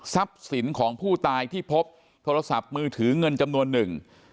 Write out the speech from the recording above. สินของผู้ตายที่พบโทรศัพท์มือถือเงินจำนวนหนึ่ง